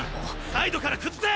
サイドから崩せ！